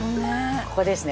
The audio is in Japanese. ここですね